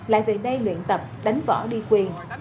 lại về đây luyện tập đánh võ đi quyền